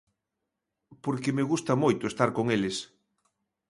Porque me gusta moito estar con eles.